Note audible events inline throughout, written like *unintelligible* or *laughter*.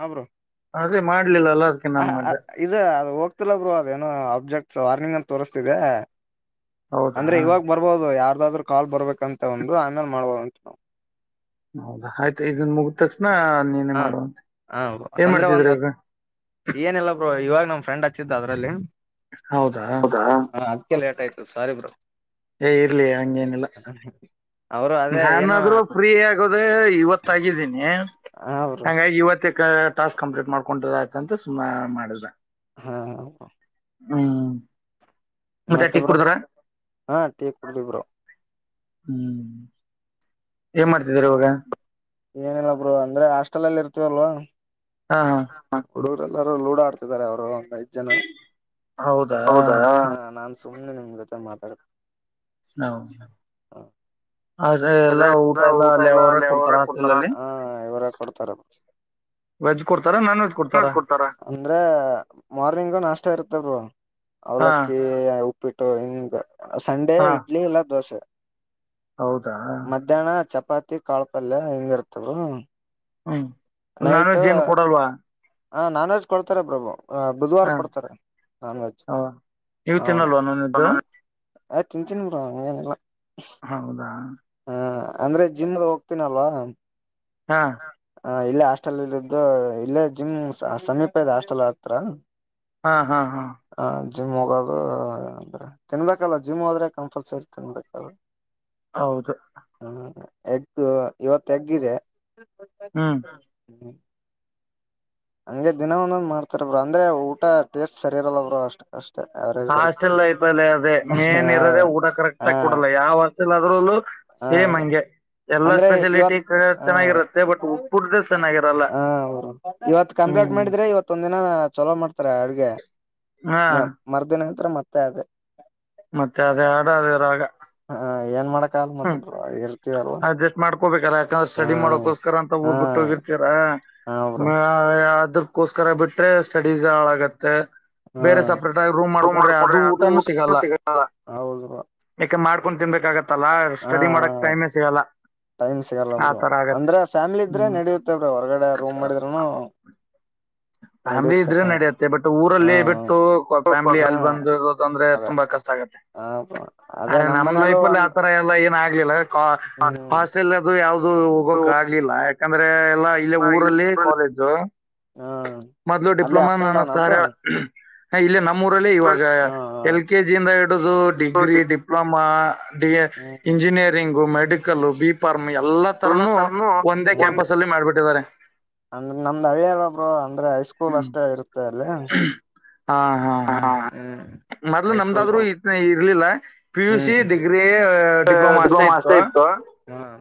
ಹ ಬ್ರೋ *unintelligible* ಇದು ಹೋಗ್ತಿಲ್ಲ ಬ್ರೋ ಅದೇನೋ ಅಬ್ಜೆಕ್ಟ್ಸ್ ವಾರ್ನಿಂಗ್ ಅಂತ ತೋರಿಸ್ತಿದೆ ಅಂದ್ರೆ ಇವಾಗ ಬರ್ಬೋದು ಯಾರ್ದಾದ್ರ್ರು ಕಾಲ್ ಬರ್ಬೇಕಂತ ಒಂದು ಆಮೇಲೆ ಮಾಡ್ಬೋದುಂತ ನಾವು ಹೌದಾ ಆಯ್ತು ಇದನ್ ಮುಗ್ದ ತಕ್ಷಣ ನೀನೇ ಮಾಡುವಂತೆ ಏನ್ ಮಾಡ್ತಿದ್ರ ಈಗ ಏನಲ್ಲ ಬ್ರೋ ಇವಾಗ ನಮ್ಮ ಫ್ರೆಂಡ್ ಹಚ್ಚಿದ್ದ ಅದ್ರಲ್ಲಿ ಹೌದಾ ಅಡಿಕೆ ಲೇಟ್ ಆಯ್ತು ಸಾರಿ ಬ್ರೋ ಏ ಇರ್ಲಿ ಹಂಗೇ ಏನಿಲ್ಲ *unintelligible* ನಾನಾದ್ರೂ ಫ್ರೀ ಆಗದ ಇವತ್ತಾಗಿದ್ದೀನಿ ಹಂಗಾಗಿ ಇವತ್ತ *unintelligible* ಟಾಸ್ಕ್ ಕಂಪ್ಲೀಟ್ ಮಾಡ್ಕೊ ಆಯ್ತ ಅಂತ ಸುಮ್ಮ್ ಮಾಡಿದ್ರ ಹಾ ಹ್ಮ್ ಮತ್ತೆ ಬ್ರೋ ಹಾ ಟೀ ಕೂಡಿವೆ ಬ್ರೋ ಹ್ಮ್ ಏನ್ ಮಾಡ್ತಿದಿದ್ದಾರೆ ಇವಾಗ ಏನಿಲ್ಲ ಬ್ರೋ ಅಂದ್ರೆ ಹಾಸ್ಟೆಲ್ ಅಲ್ಲಿ ಇರ್ತವಲ್ವಾ ಹಾ ಹಾ ಹ ಹುಡುಗರು ಎಲ್ಲರೂ ಲೂಡೋ ಆಡ್ತಿದ್ದಾರೆ ಅವರು ಒಂದು ಐದು ಜನ ಹೌದಾ ನಾನ್ ಸುಮ್ನೆ ನಿಮ್ ಜೊತೆ ಮಾತಾಡ್ ಹೌದು ಎಲ್ಲ ಊಟ ಎಲ್ಲ ಅಲ್ಲಿ ಅವರೇ ಕೊಡ್ತಾರ ಹ ಇವರೇ ಕೊಡ್ತಾರ *inaudible* ಅಂದ್ರೆ ಮಾರ್ನಿಂಗು ನಾಷ್ಟ ಇರ್ತ ಬ್ರೋ ಅವ್ಲಕ್ಕಿ ಉಪ್ಪಿಟ್ಟು ಹಿಂಗ ಸಂಡೇ ಇಡ್ಲಿ ಇಲ್ಲ ದೋಸೆ ಹೌದಾ ಮಧ್ಯಾಹ್ನ ಚಪಾತಿ ಕಾಳಪಲ್ಯ ಹೆಂಗಯಿರತ್ತಾ ಬ್ರೋ ಹ್ಮ್ ನಾನು ವೆಜ್ ಏನು ಕೊಡಲ್ವಾ ಹಾ ನಾನು ವೆಜ್ ಕೊಡ್ತಾರೆ ಬ್ರೋ ಬುಧವಾರ ಕೊಡ್ತಾರೆ ನಾನ್ ವೆಜ್ ಹ *unintelligible* ಆ ತಿಂತೀನಿ ಬ್ರೋ ಹಂಗೇನ ಇಲ್ಲ ಹೌದಾ ಹಾ ಅಂದ್ರೆ ಜಿಮ್ದ ಹೋಗ್ತೀನಲ್ವಾ ಹಾ ಹ ಇಲ್ಲೇ ಹಾಸ್ಟೆಲ್ ಇಲ್ಲಿದ್ದು ಇಲ್ಲೇ ಜಿಮ್ ಸಮೀಪ ಇ ಹಾಸ್ಟೆಲ್ ಹತರ ಹಾ ಹಾ ಹಾ ಹ ಜಿಮ್ ಹೋಗೋದು ಏನಂದ್ರೆ ತಿನ್ಬೇಕಲ್ಲ ಜಿಮ್ ಹೋದ್ರೆ ಕಂಪಲ್ಸರಿ ತಿನ್ಬೇಕಲ್ ಹೌದು ಹ್ಮ ಎಗ್ ಇವತ್ತು ಎಗ್ ಇದೆ ಹ್ಮ್ ಹ್ಮ್ ಹಂಗೆ ದಿನ ಒಂದೊಂದ್ ಮಾಡ್ತಾರ ಬ್ರೋ ಅಂದ್ರೆ ಊಟ ಟೇಸ್ಟ್ ಸರಿಯರಲ್ಲ ಬ್ರೋ ಅಷ್ಟ ಕಷ್ಟ ಹಾಸ್ಟೆಲ್ ಲೈಫ ಅಲ್ಲಿ ಅದೇ ಮೇನ್ ಇರೋದೆ ಊಟ ಕರೆಕ್ಟ್ ಆಗಿ ಕೊಡಲ್ಲ ಯಾವ್ ಹಾಸ್ಟೆಲ್ ಆದ್ರೂ ಸೇಮ್ ಹಂಗೆ ಎಲ್ಲಾ ಸ್ಪೆಸಿಲಿಟಿ ಚೆನ್ನಾಗಿರತ್ತೆ ಬಟ್ ಊಟದ ಚೆನ್ನಾಗಿರಲ್ಲ ಇವತ್ ಕಂಪ್ಲೇಟ್ ಮಾಡಿದ್ರೆ ಇವತ್ ಒಂದ ದಿನ ಚಲೋ ಮಾಡ್ತಾರೆ ಅಡ್ಗೆ ಹಾ. ಮರುದಿನ ನಂತರ ಮತ್ತೆ ಅದೇ. ಮತ್ತೆ ಅದೇ ಹಾಡ ಅದೇ ರಾಗ. ಹ ಏನ್ ಮಾಡಕ್ ಕಾಲ್ ಮಾತಾಡ್ರ ಇರತ್ತಿ ಅಲ್ವಾ ಹಾ ಹಾ ಹಾ. ಹಾ ಉ. ಅದ್ಕೋಸ್ಕರ ಬಿಟ್ರೆ ಸ್ಟಡೀಸ್ ಹಾಳಾಗುತ್ತೆ. ಬೇರೆ ಸಪ್ರೇಟ್ ಆಗಿ ರೂಮ್ ಮಾಡ್ಕೊಂಡ್ರೆ ಅದು ಊಟಾನೂ ಸಿಗಲ್ಲ. ಯಾಕೆ ಮಾಡ್ಕೊಂಡ್ ತಿನ್ಬೇಕಾಗುತ್ತಲ್ಲ ಸ್ಟಡಿ ಮಾಡಕ್ ಟೈಮೇ ಸಿಗಲ್ಲ. ಟೈಮ್ ಸಿಗಲ್ಲ ಬ್ರೋ ಅಂದ್ರೆ ಫ್ಯಾಮಿಲಿ ಇದ್ರೆ ನಡೆಯುತ್ತೇ ಬ್ರೋ ಹೊರಗಡೆ ರೂಮ್ ಮಾಡಿದ್ರೂನು. ಫ್ಯಾಮಿಲಿ ಇದ್ರೆ ನಡೆಯುತ್ತೆ ಬಟ್ ಊರಲ್ಲೇ ಬಿಟ್ಟು ಫ್ಯಾಮಿಲಿ ಅಲ್ಲ ಬಂದ ಇರೋದಂದ್ರೆ ತುಂಬಾ ಕಷ್ಟ ಆಗತ್ತೆ. ಅರೆ ನಮ್ ಲೈಫಲ್ಲಿ ಆತರ ಎಲ್ಲ ಏನ ಆಗ್ಲಿಲ್ಲ ಕಾ ಕಾಸ್ಟ. ಹಾಸ್ಟೆಲ್ ಯಾವದು ಹೋಗೋಕ್ಕ ಆಗ್ಲಿಲ್ಲ ಯಾಕಂದ್ರೆ ಎಲ್ಲಾ ಇಲ್ಲೆ ಊರಲ್ಲಿ ಕಾಲೇಜು. ಹಾ. ಮೊದಲು ಡಿಪ್ಲೊಮ ನಾನು ತಾರಿಯಾಳ ಇಲ್ಲಿ ನಮ್ಮೂಊರಲ್ಲಿ ಇವಾಗ ಎಲ್ ಕೆ ಜಿ ಇಂದ ಹಿಡಿದು ಡಿಗ್ರಿ ಡಿಪ್ಲೊಮ ಮಾ ಡಿ ಇಂಜಿನಿಯರಿಂಗ್ ಮೆಡಿಕಲ್ ಬಿಫಾರ್ಮ್ ಎಲ್ಲ ಎಲ್ಲ ತರನು ಒಂದೇ ಕ್ಯಾಂಪಸ್ ಅಲ್ಲಿ ಮಾಡ್ಬಿಟ್ಟಿದ್ದಾರೆ ಅಂದ್ರ ನಮ್ದ್ ಹಳ್ಳಿಯರೊಬ್ರು ಅಂದ್ರೆ ಅಷ್ಟೇ ಹ್ಮ ಹಾ ಹಾ ಹ್ಮ್ ಮೊದ್ಲು ನಮ್ದಾದ್ರು ಇರ್ಲಿಲ್ಲ P U C degree diploma ಅಷ್ಟೇ ಇತ್ತು.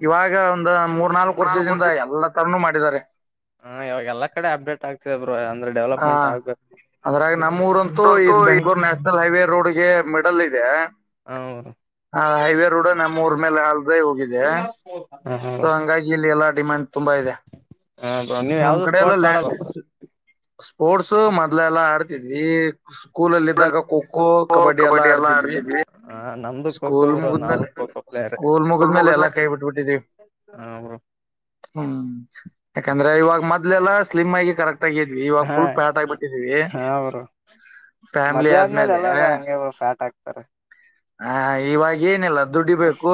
ಇವಾಗ ಒಂದ ಮೂರ್ ನಾಲ್ಕು ವರ್ಷದಿಂದ ಎಲ್ಲ ತರನೂ ಮಾಡಿದ್ದಾರೆ. ಹಾ ಇವಾಗಲ್ಲ ಕಡೆ ಅಪ್ಡೇಟ್ ಆಗ್ ಅಂದ್ರೆ ಡೆವಲಪ್ಮೆಂಟ್ ಆಗ್ಬೇಕು *unintelligible* ಮಲ್ ಹೈವೇ ರೋಡ್ಗೆ ಮೆಡಲ್ ಇದೆ ಹ ಹೈವೇ ರೂಡ ನಮ್ಮೂರ್ ಮೇಲೆ ಅಲ್ದೆೇ ಹೋಗಿದೆ. ಹ ಹ ಸೊ ಹಂಗಾಗಿ ಇಲ್ಲಿ ಎಲ್ಲಾ ಡಿಮ್ಯಾಂಡ್ ತುಂಬಾ ಇದೆ. ಹ ನೀವು ಯಾವ್ದ ಸ್ಪೋರ್ಸ್ ಆಡಲ್ಲ ಸ್ಪೋರ್ಟ್ಸ್ ಮೊದ್ಲೆ ಎಲ್ಲಾ ಆಡ್ತಿದ್ವಿ ಸ್ಕೂಲಲ್ಲಿ ಇದಿದ್ದಾಗ ಖೋ ಖೋ ಕಬಡ್ಡಿ ಎಲ್ಲಾ ಆಡ್ತಿದ್ವಿ ಸ್ಕೂಲ್ ಮುಗಿದ್ಮೇಲೆ ಸ್ಕೂಲ್ ಮುಗಿದ್ಮೇಲೆ ಎಲ್ಲಾ ಕೈ ಬಿಟ್ಬಿಟ್ಟಿದೀವಿ. ಹ ಬ್ರೋ. ಹ್ಮ್ ಯಾಕಂದ್ರೆ ಇವಾಗ ಮೊದ್ಲೆಲ್ಲಾ ಸ್ಲಿಮ್ ಆಗಿ ಕರೆಕ್ಟ್ ಆಗಿ ವಿ ಇವಾಗ ಪುಲ್ ಪ್ಯಾಟ್ ಆಗಿಬಿಟ್ಟಿದೀವಿ. ಮದ್ವೆ ಆದ್ಮೇಲೆ ಎಲ್ಲಾರೂ ಹಂಗೆರು ಫ್ಯಾಟ್ ಆಕ್ತಾರೆ. ಹ ಇವಾಗ ಏನಿಲ್ಲ ದುಡಿಬೇಕು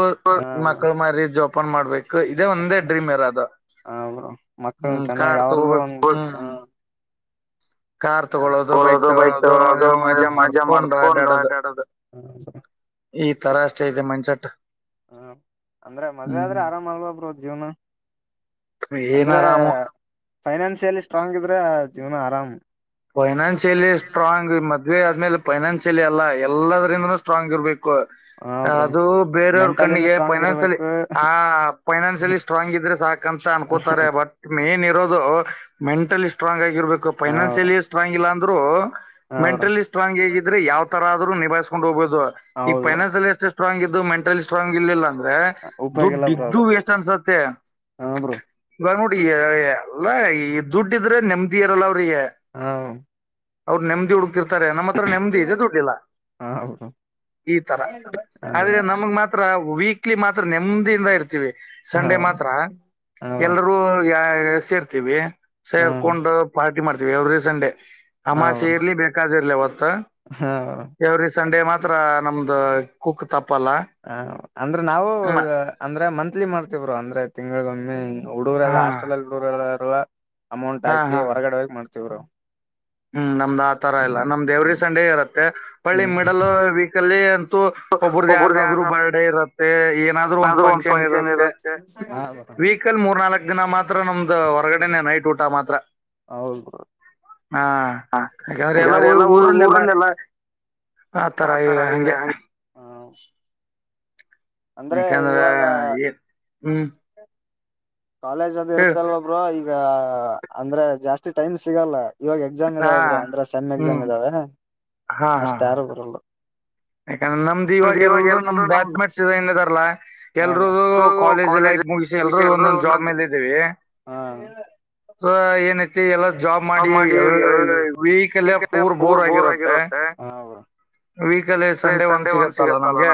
ಮಕ್ಳ ಮಾರಿ ಜೋಪನ್ ಮಾಡ್ಬೇಕ್ ಇದೇ ಒಂದೇ ಡ್ರೀಮ್ ಇರೋದು ಹ್ಮ್ ಕಾರ್ ತಗೋಬೇಕು ಹ್ಮ್ ಕಾರ್ ತಗೊಳ್ಳೋದು ಬೈಕ್ ತಗೊಳ್ಳೋದು ಮಜಾ ಮಾಡ್ಕೊಂಡು ಅಡ್ಯಾಡದು. ಈ ತರ ಅಷ್ಟೇ ಇದೆ ಮೈಂಡ್ ಸೆಟ್. ಹ್ಮ ಅಂದ್ರೆ ಮದ್ವೆೆ ಆದ್ರೆ ಆರಾಮ ಅಲ್ವಾ ಬ್ರೋ ಜೀವನ. ಅಂದ್ರೆ ಫೈನಾನ್ಸಿಯಲಿ ಸ್ಟ್ರಾಂಗ್ ಇದ್ರೆ ಜೀವನ ಆರಾಮ್ ಫೈನಾನ್ಷಿಯಲಿ ಸ್ಟ್ರಾಂಗ್ ಮತ್ ಮದ್ವೆ ಆದ್ಮೇಲೆ ಫೈನಾನ್ಸಿಯಲ್ಲಿ ಅಲ್ಲ ಎಲ್ಲದ್ರಿಂದನೂ ಸ್ಟ್ರಾಂಗ್ ಇರ್ಬೇಕು. ಅದು ಬೇರೆಯವರ ಕಣ್ಣಿಗೆ ಫೈನಾನ್ಸಲಿ ಆ ಫೈನಾನ್ಸಿಯಲಿ ಸ್ಟ್ರಾಂಗ್ ಇದ್ರೆ ಸಾಕಂತ ಅನ್ಕೋತಾರೆ ಬಟ್ ಮೇನ್ ಇರೋದು ಮೆಂಟಲಿ ಸ್ಟ್ರಾಂಗಾಗಿ ಆಗಿರ್ಬೇಕು ಫೈನಾನ್ಸಿಯಲಿ ಸ್ಟ್ರಾಂಗ್ ಇಲ್ಲಾ ಅಂದ್ರು. ಮೆಂಟಲಿ ಸ್ಟ್ರಾಂಗ್ ಆಗಿ ಇದ್ರೆ ಯಾವ್ ತರ ಆದ್ರೂ ನಿಭಾಯಿಸ್ಕೊಂಡ್ ಹೋಗಬಹುದು ಈಗ ಫೈನಾನ್ಸಿಯಲ್ಲಿ ಅಷ್ ಸ್ಟ್ರಾಂಗ್ ಇದ್ದು ಮೆಂಟಲಿ ಸ್ಟಾಂಗ್ ಇಲ್ಲಿಲ್ಲ ಅಂದ್ರೆ ದುಡ್ ಇದ್ದೂ ವೇಸ್ಟ್ ಆನುಸ್ತೆ ಇವಾಗ ನೋಡಿ ಎಲ್ಲಾ ಈ ದುಡ್ಡಿ ನೆಮ್ಮದಿ ಇರಲ್ಲ ಅವ್ರಿಗೆ. ಹಾ ಅವ್ರು ನೆಮ್ಮದಿ ಹುಡುಕ್ತಿರ್ತಾರೆ ನಮ್ಮತ್ರ ನೆಮ್ಮದಿ ಇದೆ ದುಡ್ಡಿಲ್ಲಾ. ಈತರ ಆದ್ರೆ ನಮಗ್ ಮಾತ್ರ ವೀಕ್ ಮಂತ್ಲಿ ಮಾತ್ರ ನೆಮ್ಮದಿಯಿಂದ ಇರ್ತೀವಿ ಸಂಡೇ ಮಾತ್ರ ಎಲ್ಲರೂ ಸೇರ್ ತ್ತಿವಿ ಸೇರ್ಕೊಂಡು ಪಾರ್ಟಿ ಮಾಡ್ತೀವಿ ಎವ್ರಿ ಸಂಡೇ ಅಮಾಸೆ ಇರ್ಲಿ ಬೇಕಾದ್ ಇರ್ಲಿ ಅವತ್ತು ಎವ್ರಿ ಸಂಡೇ ಮಾತ್ರ ನಮ್ದುು ಕುಕ್ ತಪ್ಪಲ್ಲ ಹ ಅಂದ್ರೆ ನಾವು ಅಂದ್ರೆ ಮಂತ್ಲಿ ಮಾಡ್ತೇವ್ ಅಂದ್ರೆ ತಿಂಗಳಿಗೊಮ್ಮಿ ಹುಡುಗರೆಲ್ಲಾ ಎಲ್ಲಾ ಹಾಸ್ಟೆಲ್ಲ್ ಹುಡುಗರೆಲ್ಲ ಅಮೌಂಟ್ ಹಾಕಿ ಹೊರಗಡೆ ಹೋಗಿ ಮಾಡ್ತವ್ ಬ್ರೋ ಹ್ಮ್ ನಮ್ದ್ ಆತರ ಇಲ್ಲ ನಮ್ದ್ ಎವ್ರಿ ಸಂಡೇ ಇರತ್ತೆ ಪಳ್ಳಿ ಮಿಡಲ್ ವೀಕಲ್ಲಿ ಅಂತೂ ಒಬ್ರದ್ದೂ ಯಾರಾದ್ರು ಬರ್ಡೇ ಇರುತ್ತೆ ಏನಾದ್ರು ಒಂದ್ ಫಂಕ್ಷನ್ ಇರುತ್ತೆ ವೀಕ್ ಕ್ ಮೂರ್ ನಾಲ್ಕಕ್ ದಿನ ಮಾತ್ರ ನಮ್ದ್ ಹೊರಗಡೆನೆ ನೈಟ್ ಊಟ ಮಾತ್ರ ಹೌದು ಹ ಈಗ ಎಲ್ಲಾ ಊರಲ್ಲೆಲ್ಲಾ ಆ ತರ ಇದೆ ಹ್ *unintelligible* ಯಾಕಂದ್ರೆ ಏನ್ ಹ್ಮ್ ಕಾಲೇಜ್ ಅಲ್ಲಿ ಇರುತ್ತಲ್ಲ ಬ್ರೋ ಈಗ ಅಂದ್ರೆ ಜಾಸ್ತಿ ಟೈಮ್ ಸಿಗಲ್ಲ. ಇವಾಗ ಎಕ್ಸಾಮ್ ಇದಾವೆ ಬ್ರೋ ಅಂದ್ರೆ ಸೆಮ್ ಎಕ್ಸಾಮ್ ಇದಾವೇ ಅಷ್ಟ್ ಯಾರು ಬರಲ್ಲ ಯಾಕಂದ್ರೆ ನಮ್ದು ಇವಾಗ ಎಲ್ರು ನಮ್ ಬ್ಯಾಚ್ ಮೆಟ್ಸ್ ಏನ್ ಇದರಲ್ಲ. ಎಲ್ಲಾದ್ರೂ ಕಾಲೇಜ್ ಲೈಫ್ ಮುಗಿಸಿ ಎಲ್ಲರೂ ಒಂದೊಂದು ಜಾಬ್ ಮೇಲ್ ಇದೀವಿ ಸೋ ಏನ್ ಐತಿ ಎಲ್ಲಾ ಜಾಬ್ ಮಾಡಿ ವೀಕಲ್ ಪೂರ್ ಬೋರ್ ಆಗಿರುತ್ತೆ. ಹಾ ವೀಕಲ್ಲಿ ಸಂಡೇ ಒಂದ್ ಸಿಗತ್ತಲ್ಲ ನಮ್ಗೆ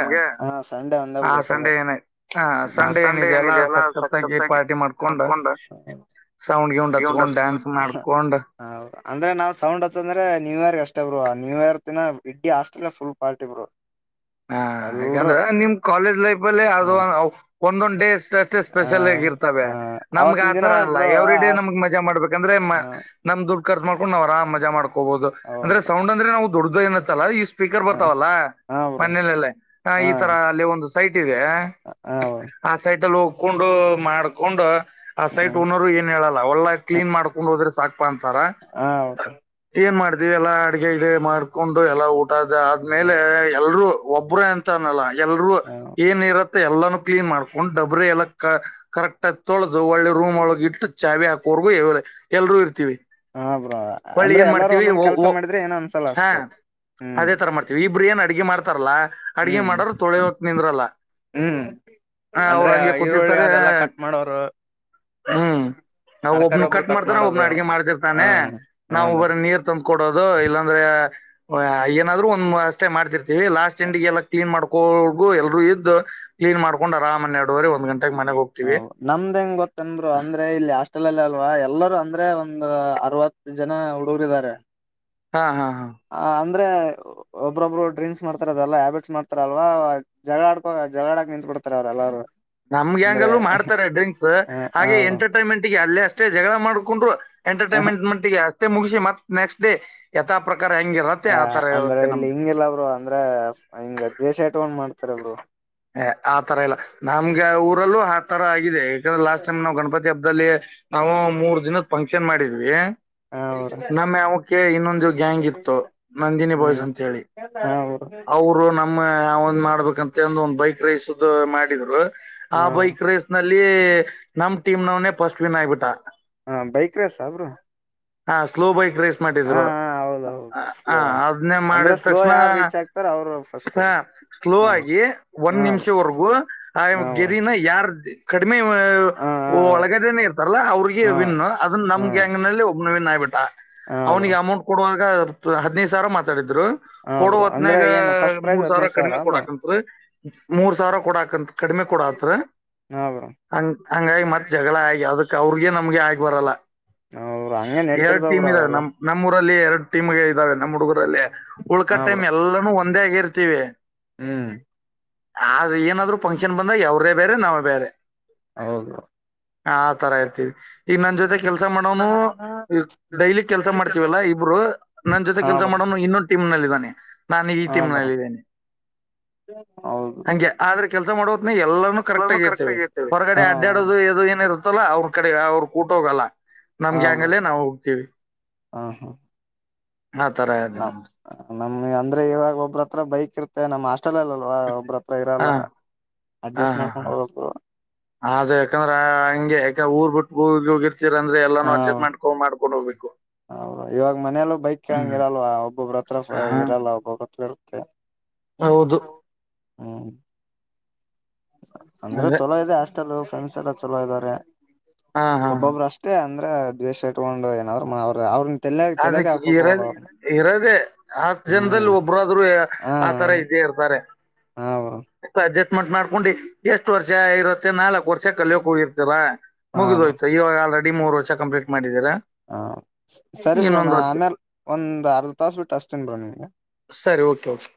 ಆ ಸಂಡೇ ಏನಾಯ್ತು. ಹಾ ಸಂಡೇ ಏನಿದೆಯಲ್ಲ ಸಕ್ಕತ್ತಾಗಿ ಪಾರ್ಟಿ ಮಾಡ್ಕೊಂಡ್ ಸೌಂಡ್ ಗಿಂಡ್ ಹಚ್ಕೊಂಡ್ ಡಾನ್ಸ್ ಮಾಡ್ಕೊಂಡ್ ಹೌದಾ ಅಂದ್ರೆ ನಾವ ಸೌಂಡು ಹಚ್ಚದ ಅಂದ್ರೆ ನ್ಯೂಯರಿಗ್ ಅಷ್ಟೇ ಬ್ರೋ ಆ ನ್ಯೂ ಇಯರ್ ದಿನ ಇಡ್ಡಿ ಹಾಸ್ಟೆಲ್ ಫುಲ್ ಪಾರ್ಟಿ ಬ್ರೋ. ಹಾ ಯಾಕಂದ್ರ ನಿಮ್ ಕಾಲೇಜ್ ಲೈಫ ಅಲ್ಲೆ ಅದು ಒಂದ್ ಒಂದೊಂದ ಡೇಸ್ ಅಷ್ಟೆ ಸ್ಪೆಷಲ್ ಆಗ ಇರ್ತವೆ ನಮ್ಗ್ ಆತರ ಅಲ್ಲ ಎವ್ರಿ ಡೇ ನಮ್ಗ್ ಮಜಾ ಮಾಡ್ಬೇಕಂದ್ರೆ ಮಾ ನಮ್ ದುಡ್ಡ ಖಚ್ರ್ ಮಾಡಕೊಂಡ ನಾವ್ ಆರಾಮ ಮಜ ಮಾಡ್ಕೊಬೋದು ಅಂದ್ರೆ ಸೌಂಡ್ಂದ್ರೆ ನಾವ್ ದೊಡ್ಡದು ಎನ್ ಹಚ್ಚಲ್ಲ ಈ ಸ್ಪೀಕರ್ ಬರ್ತಾವಲ್ಲಾ. ಮನೇಲಲ್ಲೇ ಈ ತರ ಅಲ್ಲಿ ಒಂದು ಸೈಟ್ ಇದೆ ಆ ಸೈಟ ಅಲ್ ಹೋಗ ಕೊಂಡ್ ಮಾಡ್ಕೊಂಡ್ ಆ ಸೈಟ್ ಓನರು ಏನ್ ಹೇಳಲ್ಲ ಒಳ್ಳೆ ಕ್ಲೀನ್ ಮಾಡ್ಕೊಂಡು ಹೋದ್ರೆ ಸಾಕ್. ಬರ್ತಾರ ಏನ್ ಮಾಡತಿ ಎಲ್ಲಾ ಅಡಗೆ ಗಿಡಗೆ ಮಾಡ್ಕೊಂಡು ಎಲ್ಲಾ ಉಟ್ ಅದ ಆದ್ಮೇಲೆ ಎಲ್ರುೂ ಒಬ್ರೆ ಅಂತ ಅನಲ್ಲ ಎಲ್ರುೂ ಏನ್ ಇರತ್ ಎಲ್ಲಾನು ಕ್ಲೀನ್ ಮಾಡ್ಕೊಂಡು ಡಬ್ರರಿ ಎಲ್ಲ ಕ ಕರೆಕ್ಟ್ ಆಗ ತೊಳ್ದದು ಒಳ್ಳೆ ರೂಮ್ ಒಳಗ ಇಟ್ಟು ಚಾವಿ ಹಾಕೋವರ್ಗೂ ಎಲ್ರೂ ಇರ್ತಿವಿ. ಹ ಬ್ರೋ ಅಂದ್ರೆ ಎಲ್ಲಾರೂ ಒಂದೊಂದ್ ಕೆಲ್ಸ ಮಾಡಿದ್ರೆ ಏನೋ ಅನ್ನಸಲ್ಲ ಅಷ್ಟ ಹ್ಮ್. ಒಬ್ರ ಏನ್ ಅಡಗಿ ಮಾಡ್ತಾರಲ್ಲಾ ಅಡಗಿ ಮಾಡರು ತೊಳಿಯೋಕ ನಿಂದ್ರಲ್ಲ. ಹ ಅವ್ರ ಹಂಗೆ ಕೂತಿರ್ತಾರ ಹ ಹ್ಮ್ ಅಂವನ್ ಒಬ್ನ ಕಟ್ ಮಾಡ್ತಾನ ಒಬ್ನ ಅಡಗಿ ಮಾಡ್ತಿರ್ತಾನೆ ನಾವು ಒಬ್ಬರ ನೀರ್ ತಂದ್ ಕೊಡೋದು ಇಲ್ಲಾಂದ್ರೆ ಏನಾದ್ರು ಒಂದ್ ಅಷ್ಟೇ ಮಾಡ್ತಿರ್ತ ತಿವಿ ಲಾಸ್ಟ್ ಎಂಡಿಗಿ ಎಲ್ಲಾ ಕ್ಲೀನ್ ಮಾಡ್ಕೊ ವರ್ಗು ಎಲ್ರೂ ಇದ್ದು. ಕ್ಲೀನ್ ಮಾಡಕೊಂಡು ಆರಾಮಗಿ ಹನ್ನೆರಡುವರಿ ಒಂದ್ ಗಂಟೆಗೆ ಮನೆಗ ಹೋಗ್ತೀವಿ. ನಮ್ದ್ ಹೆಂಗ್ ಗೊತ್ತನ್ ಬ್ರೋ ಅಂದ್ರೆ ಇಲ್ಲಿ ಹಾಸ್ಟೆಲ್ ಅಲ್ಲಿ ಅಲ್ವಾ ಎಲ್ಲರುೂ ಅಂದ್ರೆ ಒಂದ್ ಅರವತ್ ಜನ ಹುಡುಗುರಿದಾರೆ. ಹಾ ಹಾ ಹಾ ಆ ಅಂದ್ರೆ ಒಬ್ರೊಬ್ರು ಡ್ರಿಂಕ್ಸ್ ಮಾಡ್ತಾರ ಅದೆಲ್ಲ ಹ್ಯಾಬಿಟ್ಸ್ ಮಾಡ್ತಾರಲ್ವಾ ಜಗಳಾಡ್ಕೋ ಜಗಳಡಕ ನಿಂತ್ ಬಿಡ್ತಾರೆ ಅವ್ರ ಎಲ್ಲಾರು. ನಮ್ಗ ಗ್ಯಾಂಗ್ ಲ್ಲೂ ಮಾಡ್ತಾರೆ ಡ್ರಿಂಕ್ಸ್ ಹಾಗೆ ಎಂಟರ್ಟೈನ್ಮೆಂಟ್ಗೆ ಅಲ್ಲೇ ಅಷ್ಟೇ ಜಗಳ ಮಾಡ್ಕೊಂಡ್ರು. ಎಂಟರ್ಟೈನ್ಮೆಂಟ್ ಮಟ್ಟಿಗೆ ಅಷ್ಟೇ ಮುಗಿಸಿ ಮತ್ ನೆಕ್ಸ್ಟ್ ಡೇ ಯಥಾ ಪ್ರಕಾರ ಹೆಂಗಿರ. ಹ ಅಂದ್ರೆ ಇಲ್ಲಿ ಹಿಂಗಿಲ್ಲ ಬ್ರೋ ಅಂದ್ರೆ ಹಿಂಗ ದ್ವೇಷ ಇಟ್ಕೊಂಡ್ ಮಾಡ್ತಾರೆ ಬ್ರೋ. ಏ ಆತರ ಇಲ್ಲಾ ನಮ್ಗೆ ಊರಲ್ಲೂ ಆ ತರ ಆಗಿದೆ ಯಾಕಂದ್ರೆ ಲಾಸ್ಟ್ ಟೈಮ್ ನಾವ್ ಗಣಪತಿ ಹಬ್ಬ. ದಲ್ಲಿ ನಾವು ಮೂರ್ ದಿನದ ಫಂಕ್ಷನ್ ಮಾಡಿದ್ವಿ. ಹ ಬ್ರೋ ನಮ್ಮ ಅವುಕೆ ಇನ್ನೊಂದು ಗ್ಯಾಂಗ್ ಇತ್ತು ನಂದಿನಿ ಬಾಯ್ಸ್ ಅಂತ ಹೇಳಿ. ಹಾ ಬ್ರೋ. ನಮ್ ಅವಾಗ್ ಮಾಡ್ಬೇಕಂತೆ ಅಂದು ಒಂದ್ ಬೈಕ್ ರೇಸ್ದ ಮಾಡಿದ್ರು ಆ ಬೈಕ್ ರೇಸ್ ನಲ್ ಈ ನಮ್ ಟೀಮ್ ಅಂವನೆ ಫಸ್ಟ್ ವಿನ್ ಆಗಬಿಟ್ಟ. ಹಾ ಬೈಕ್ ರೇಸ ಬ್ರೋ. ಹಾ ಸ್ಲೋ ಬೈಕ್ ರೇಸ್ ಮಾಡಿದ್ರು ಹ ಅದನ್ನೇ ಮಾಡಿದ ತಕ್ಷಣ. ಸರ್ ಅವ್ರು ಫಸ್ಟ್. ಹಾ ಸ್ಲೋ ಆಗಿ ಒಂದ್ ನಿಮಿಷವರಗೂ ಆ ಗೆರಿನ ಯಾರ್ ಕಡಮಿ *unintelligible* ಒಳಗಡೆನೆ ಇರ್ತಲ್ಲ ಅವ್ರಿಗೆ ವಿನ್ ಅದನ್ನ ನಮ್ ಗ್ಯಾಂಗ್ ನಲ್ ಒಬ್ಬ್. ವಿನ್ ಆಗ್ ಬಿಟ್ಟ ಅವನಿಗೆ ಅಮೌಂಟ್ ಕೊಡುವಾಗ ಹದ ಹದಿನೈದು ಸಾವ್ರ ಮಾ ಮಾತ್ ಆಡಿದ್ರು ಕೊಡು ಹೊತ್ನಾಗ ಮೂರ್ ಸಾವ್ರ ಕಡಮಿ ಕೊಡಾಕಂತ ದ್ರ ಮೂರ್ ಸಾವ್ರ ಕೊಡಕಂತ ಕಡಮೆ ಕೊಡತ್ರ. ಹಂಗ ಹಂಗಾಗಿ ಮತ್ ಜಗಳ ಆಗಿ ಅದಕ್ ಅವ್ರಗೆ ನಮ್ಗೆ ಆಗ ಬರಲ್ಲ. ಎರಡ್ ಟೀಮ್ ಇದಾವೆ ನಮ್ ನಮ್ಮೂರಲ್ಲಿ ಎರಡು ಟೀಮ್ ಇದಾವೆ ನಮ್ಮ್ ಹುಡ್ಗರಲ್ಲಿ ಉಳ್ಕ ಟೈಮ್ ಎಲ್ಲಾನೂ ಒಂದೇ ಆಗಿರ್ತೀವಿ. ಹ್ಮ್ ಆದ ಏನಾದ್ರು ಫಂಕ್ಷನ್ ಬಂದಾಗ ಅವ್ರೇ ಬೇರೆ ನಾವೇ ಬೇರೆ. ಹೌದು. ಹ ಆತರ ಇರ್ತೀವಿ ಈಗ ನನ್ ಜೊತೆ ಕೆಲ್ಸ ಮಾಡವನು ಡೈಲಿ ಕೆಲ್ಸ ಮಾಡ್ತೀವಲ್ಲಾ ಇಬ್ರು ನನ್ ಜೊತೆ ಕೆಲ್ಸ ಮಾಡೋನು ಇನ್ನೊಂದು ಟೀಮ್ ನಲ್ಲಿ ಇದಾನೆ. ನಾನು ಇ ಟೀಮ್ ನಲ್ಲಿ ಇದಿನಿ ಹಂಗೆ ಆದ್ರೆ ಕೆಲಸ ಮಾಡುವತ್ನಗ ಎಲ್ಲಾರನು ಕರೆಕ್ಟ್ ಆಗಿರ್ತೇವೆ ಹೊರಗಡೆ ಅಡ್ಡಾಡೋದು ಅದು ಏನಿರುತ್ತೆ ತಲ್ಲ ಅವ್ರ ಕಡೆ ಅವ್ರು ಕೂಟೋಗಲ್ಲ ನಮ್ಗೆ ಯಾಕ ಮೇಲೆ ನಾವು ಹೋಗ್ತೀವಿ ಆತರದಿನ ನಮ್ ಅಂದ್ರೆ ಇವಾಗ ಒಬ್ಬ್ರತ್ರ ಬೈಕ್ ಇರ್ತ್ತೆ ನಮ್ ಹಸ್ಟೆಲ್ ಅಲ್ಲ ಅಲ್ವಾ ಒಬ್ರತ್ರ ಹತ್ರ ಇರಲ್ಲ ಅಡ್ಜಸ್ಟ್ ಮಾಡ್ಕೊಂಡು ಹೋಗಬೇಕು ಅದ ಯಾಕಂದ್ರ ಹಂಗೆ ಯಾಕೆ ಊರ್ ಬಿಟ್ಟ ಉರ್ ಹೋಗಿರ್ ೀರ ಅಂದ್ರ ಎಲ್ಲಾನ ಅಡ್ಜಸ್ಟ್ ಮಾಡ್ಕೊಂಡ್ ಮಾಡ್ಕೊಂಡ್ ಹೊಗಬೇಕು ಹ ಇವಾಗ ಮನೆಯಲ್ಲೂ ಬೈಕ್ ಕೇಳಂಗ ಅಲ್ವಾ ಒಬ್ಬೊಬ್ಬ್ರ ಹತ್ರ ಇರಲ್ಲ ಒಬ್ಬ್ರತ್ರರು ಓಕೆ ಹೌದು ಹ್ಮ್ ಅಂದ್ರೆ ಚಲೋ ಇದೆ ಹಸ್ಟೆಲ್ ಫ್ರೆಂಡ್ಸ್ ಎಲ್ಲ ಚಲೋ ಇದಾರೆ ಒಬ್ಬೊಬ್ಬರು ಅಷ್ಟ ಅಷ್ಟೇ ಅಂದ್ರೆ ದ್ವೇಷ ಇಟ್ಕೊಂಡು ಏನಾದ್ರರು ಅವ್ರ ಅವ್ರ ಅದಕ್ಕೆ ಇರ ಇರೋದೆೇ ಹತ್ ಜನದಲ್ಲಿ ಒಬ್ರಾದ್ರು ಆತರ ಇತ್ತು ಇರ್ತಾರೆ ಹಾ ಅವ್ರ್ ಅಡ್ಜಸ್ಟ್ಮೆಂಟ್ ಮಾಡ್ಕೊಂಡು ಎಷ್ಟು ವರ್ಷ ಇರುತ್ತೆ ನಾಲಕ್ ವರ್ಷ ಕಲಿಯೋಕ್ ಹೋಗಿರ್ತೀರಾ. ಮುಗಿದೊಯ್ತು ಇವಾಗ ಆಲರೆಡಿ ಮೂರ್ ವರ್ಷ ಕಂಪ್ಲೀಟ್ ಮಾಡಿದೀರಾ. ಹ ಸರಿ ಬ್ರೋ ನಾ ಆಮೇಲ್ ಒಂದ್ ಅರ್ಧ ತಾಸ ಬಿಟ್ಟು ಅಚ್ತೀನ್ ಬ್ರೋ ನಿಮ್ಗೆ. ಸರಿ ಓಕೆ ಓಕೆ